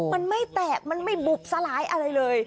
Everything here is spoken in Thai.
มันไม่แตกมันไม่บุบสลายอะไรเลย